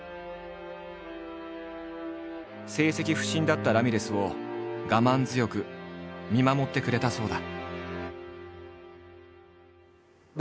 成績不振だったラミレスを我慢強く見守ってくれたそうだ。